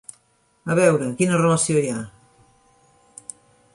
A veure, quina relació hi ha?